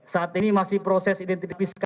saat ini masih proses identifikasi